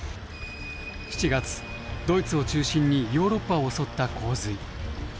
７月ドイツを中心にヨーロッパを襲った洪水。